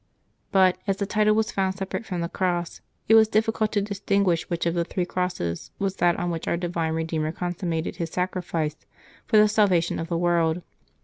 But, as the title was found separate from the cross, it was difiicult to distinguish which of ilie three crosses was that on v/hich our divine Redeemer consummated His sacrifice for the salvation of the world.